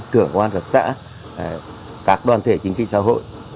cửa quan cập xã các đoàn thể chính trị xã hội